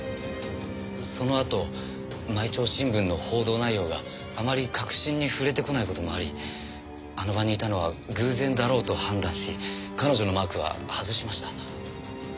そのあと毎朝新聞の報道内容があまり核心に触れてこない事もありあの場にいたのは偶然だろうと判断し彼女のマークは外しました。